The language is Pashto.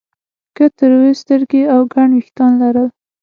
هغه تروې سترګې او ګڼ وېښتان لرل